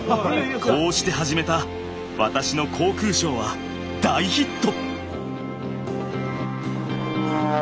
こうして始めた私の航空ショーは大ヒット。